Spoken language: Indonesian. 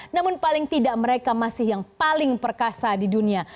namun paling tidak mereka masih yang paling perkasa di dunia